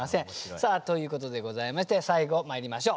さあということでございまして最後まいりましょう。